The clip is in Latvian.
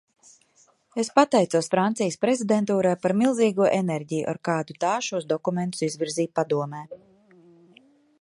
Es paticos Francijas prezidentūrai par milzīgo enerģiju, ar kādu tā šos dokumentus izvirzīja Padomē.